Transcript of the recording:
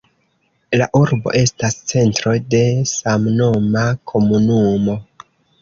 La urbo estas centro de samnoma komunumo.